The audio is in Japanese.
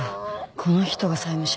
この人が債務者？